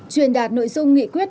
truyền đạt nội dung nghị quyết